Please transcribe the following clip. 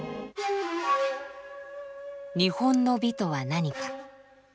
日本の美とは何か。